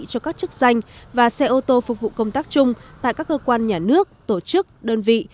cho các chức danh và xe ô tô phục vụ công tác chung tại các cơ quan nhà nước tổ chức đơn vị